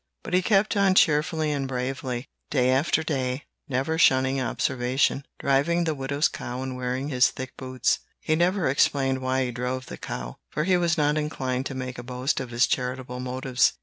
But he kept on cheerfully and bravely, day after day, never shunning observation, driving the widow's cow and wearing his thick boots. He never explained why he drove the cow; for he was not inclined to make a boast of his charitable motives.